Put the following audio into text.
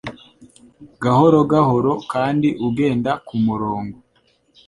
gahoro gahoro kandi ugenda ku murongo